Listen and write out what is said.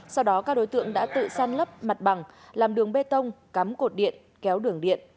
sau đó các đối tượng đã tự săn lấp mặt bằng làm đường bê tông cắm cột điện kéo đường điện